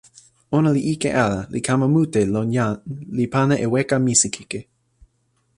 ona li ike ala, li kama mute lon jan li pana e weka misikeke.